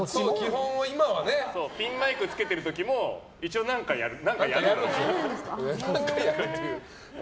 ピンマイクつけてる時も一応、何かやるの。